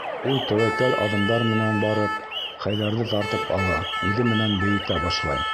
Ул тәүәккәл аҙымдар менән барып Хәйҙәрҙе тартып ала, үҙе менән бейетә башлай.